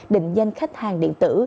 định danh khách hàng điện tử